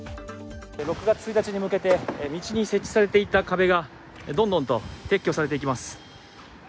６月１日に向けて道に設置されていた壁がどんどんと撤去されていきます。